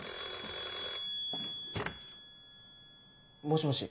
もしもし。